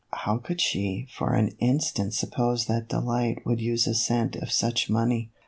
How could she for an in stant suppose that Delight would use a cent of such money?